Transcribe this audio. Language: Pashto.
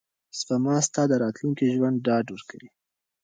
سپما ستا د راتلونکي ژوند ډاډ ورکوي.